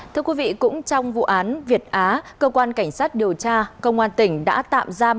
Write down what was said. thưa quý vị cũng trong vụ án việt á cơ quan cảnh sát điều tra công an tỉnh đã tạm giam